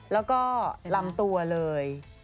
แล้วก็ลำตัวเลย